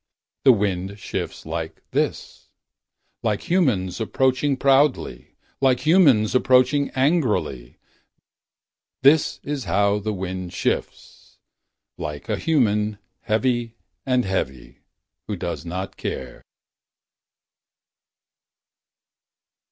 The wind shifts like this: Like humans approaching proudly. Like humans approaching angrily. This is how the wind shifts: Like a human, heavy and heavy. Who does not care.